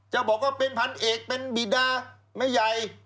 จะบอกว่าเป็นพันเอกเป็นบิดาไม่ใหญ่